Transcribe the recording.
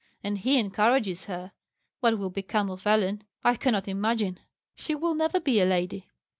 And he encourages her! What will become of Ellen, I cannot imagine; she will never be a lady!"